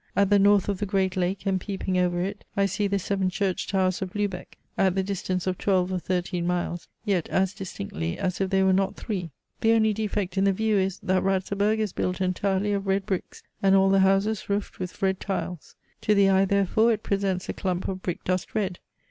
At the north of the Great Lake, and peeping over it, I see the seven church towers of Luebec, at the distance of twelve or thirteen miles, yet as distinctly as if they were not three. The only defect in the view is, that Ratzeburg is built entirely of red bricks, and all the houses roofed with red tiles. To the eye, therefore, it presents a clump of brick dust red.